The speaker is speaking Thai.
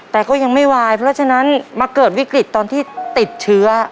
แต่ก็ยังไม่วายเพราะฉะนั้นมาเกิดวิกฤตตอนที่ติดเชื้อ